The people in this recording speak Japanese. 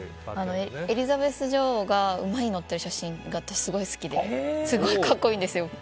エリザベス女王が馬に乗っている写真が私、すごい好きですごい格好いいんですよ。